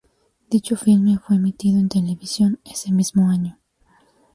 Dicho filme fue emitido en televisión ese mismo año.